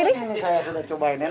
ini saya sudah cobain